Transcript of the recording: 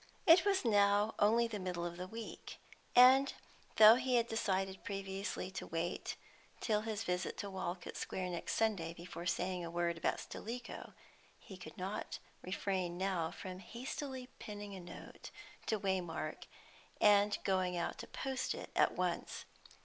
It was now only the middle of the week, and though he had decided previously to wait till his visit to Walcot Square next Sunday before saying a word about "Stilicho," he could not refrain now from hastily penning a note to Waymark, and going out to post it at once.